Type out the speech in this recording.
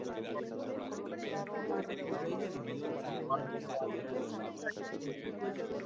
No se trata de un tópico, de un personaje tipo.